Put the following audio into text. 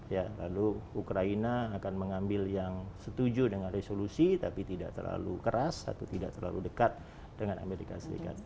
ya lalu ukraina akan mengambil yang setuju dengan resolusi tapi tidak terlalu keras atau tidak terlalu dekat dengan amerika serikat